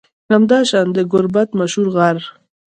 همداشان د گربت مشهور غر